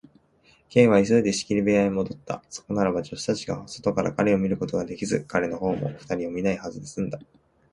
Ｋ は急いで仕切り部屋へもどった。そこならば、助手たちが外から彼を見ることができず、彼のほうも二人を見ないですんだ。